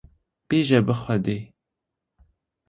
Bêje bi xwedê